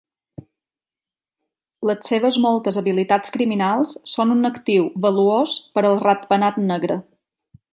Les seves moltes habilitats criminals són un actiu valuós per al Ratpenat negre.